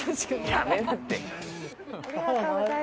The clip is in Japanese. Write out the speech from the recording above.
やめなって。